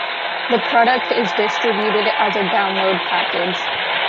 The product is distributed as a download package.